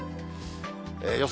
予想